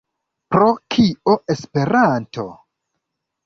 Pro kio Esperanto?